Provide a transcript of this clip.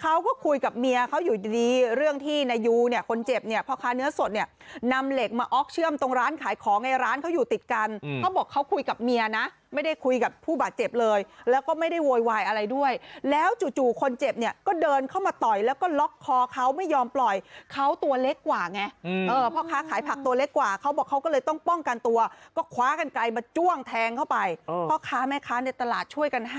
การเขาอยู่ติดกันเขาบอกเขาคุยกับเมียนะไม่ได้คุยกับผู้บาดเจ็บเลยแล้วก็ไม่ได้โวยวายอะไรด้วยแล้วจู่คนเจ็บเนี่ยก็เดินเข้ามาต่อยแล้วก็ล็อกคอเขาไม่ยอมปล่อยเขาตัวเล็กกว่าไงอืมเออพ่อค้าขายผักตัวเล็กกว่าเขาบอกเขาก็เลยต้องป้องกันตัวก็คว้ากันไกลมาจ้วงแทงเข้าไปพ่อค้าแม่ค้าในตลาดช่วยกันห้